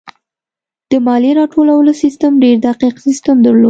د مالیې راټولولو سیستم ډېر دقیق سیستم درلود.